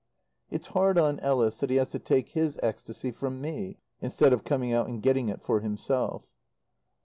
It's hard on Ellis that he has to take his ecstasy from me, instead of coming out and getting it for himself.